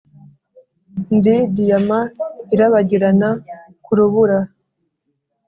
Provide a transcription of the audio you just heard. ndi diyama irabagirana ku rubura,